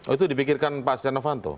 itu dipikirkan pak asyid janovanto